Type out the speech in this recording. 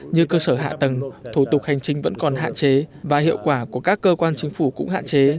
như cơ sở hạ tầng thủ tục hành trình vẫn còn hạn chế và hiệu quả của các cơ quan chính phủ cũng hạn chế